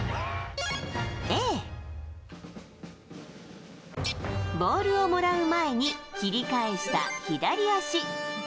Ａ、ボールをもらう前に切り返した左足。